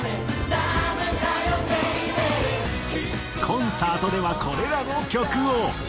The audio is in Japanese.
コンサートではこれらの曲を。